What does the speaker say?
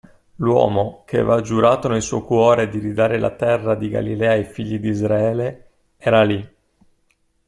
L'uomo, che aveva giurato nel suo cuore di ridare la Terra di Galilea ai figli d'Israele, era lì.